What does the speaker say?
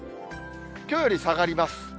きょうより下がります。